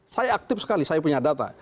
saya aktif sekali saya punya data